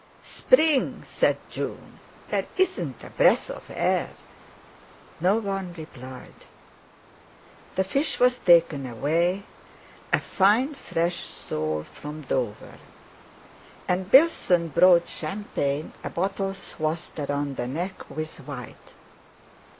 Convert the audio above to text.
"Spring!" said June: "there isn't a breath of air!" No one replied. The fish was taken away, a fine fresh sole from Dover. And Bilson brought champagne, a bottle swathed around the neck with white....